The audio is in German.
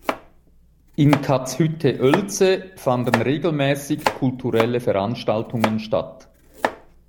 In Katzhütte-Oelze fanden regelmäßig kulturelle Veranstaltungen statt.